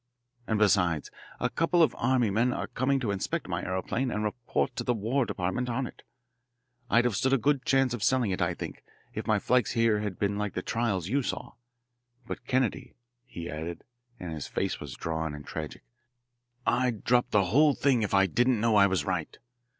And, besides, a couple of army men are coming to inspect my aeroplane and report to the War Department on it. I'd have stood a good chance of selling it, I think, if my flights here had been like the trials you saw. But, Kennedy," he added, and his face was drawn and tragic, "I'd drop the whole thing if I didn't know I was right.